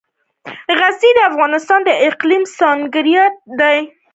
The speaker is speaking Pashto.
غزني د افغانستان د اقلیم ځانګړتیا ده.